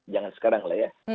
jangan sekarang lah ya